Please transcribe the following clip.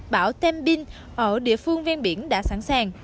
bão tembin ở địa phương ven biển đã sẵn sàng